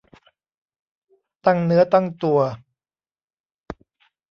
ตั้งเนื้อตั้งตัว